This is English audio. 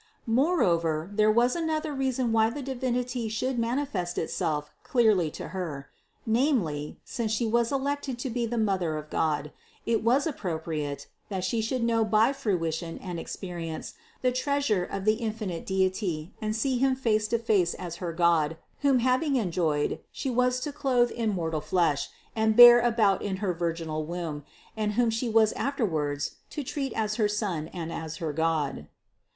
Moreover, there was another reason why the Divinity should manifest Itself clearly to Her: namely, since She was elected to be the Mother of God, it was ap propriate, that She should know by fruition and experi ence the treasure of the infinite Deity and see Him face to face as her God, whom having enjoyed, She was to clothe in mortal flesh and bear about in her virginal womb, and whom She was afterwards to treat as her Son and as her God.